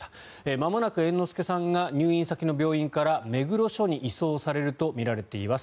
まもなく、猿之助さんが入院先の病院から目黒署に移送されるとみられています。